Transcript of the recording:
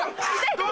どう？